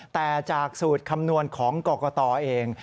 แต่จากสูตรคำนวณของกรกตเอง